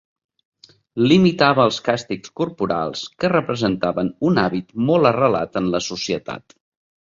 Limitava els càstigs corporals, que representaven un hàbit molt arrelat en la societat.